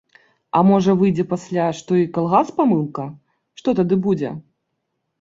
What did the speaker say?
А можа выйдзе пасля, што і калгас памылка, што тады будзе?